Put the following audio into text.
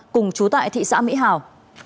cùng trú tại thị xã mỹ hào